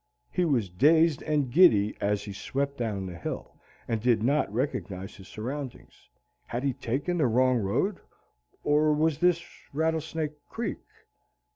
He was dazed and giddy as he swept down the hill, and did not recognize his surroundings. Had he taken the wrong road, or was this Rattlesnake Creek?